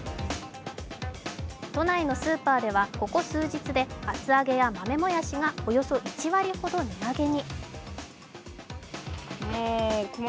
都内のスーパーでは、ここ数日であつ揚げや豆もやしがおよそ１割ほど値上げに。